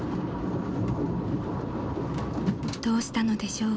［どうしたのでしょう？］